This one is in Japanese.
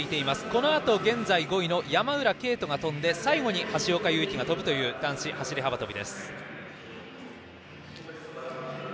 このあと現在５位の山浦渓斗が跳んで最後に橋岡優輝が跳ぶという男子走り幅跳びです。